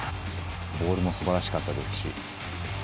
ボールもすばらしかったですし。